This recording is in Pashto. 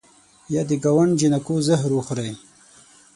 یه د ګاونډ جینکو زهر وخورئ